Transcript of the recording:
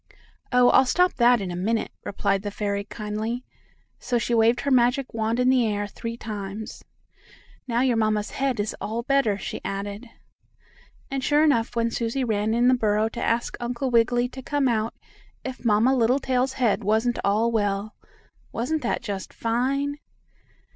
"Oh! I'll stop that in a minute," replied the fairy kindly, so she waved her magic wand in the air three times. "Now your mamma's head is all better," she added. And, sure enough, when Susie ran in the burrow to ask Uncle Wiggily to come out, if Mamma Littletail's head wasn't all well. Wasn't that just fine?